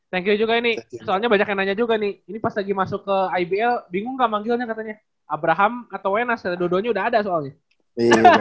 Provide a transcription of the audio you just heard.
thank you juga ini soalnya banyak yang nanya juga nih ini pas lagi masuk ke ibl bingung gak manggilnya katanya abraham atau wenas dua duanya udah ada soalnya